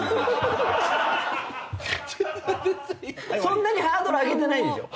そんなにハードル上げてないですよ。